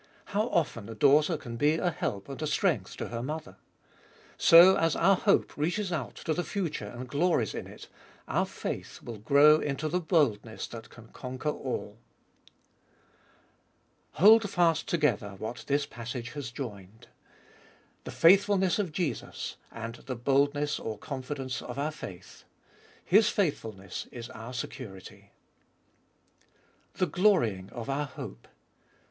How often a daughter can be a help and a strength to her mother. So, as our hope reaches out to the future and glories In It, our faith will grow into the boldness that can conquer all. 2. Hold fast together what this passage has joined : the faithfulness of Jesus and the boldness or confidence of our faith. His faithfulness Is our security. 3. The glorying of our hope.